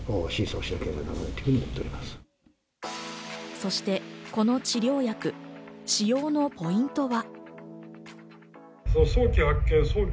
そしてこの治療薬、使用のポイントは？